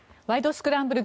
スクランブル」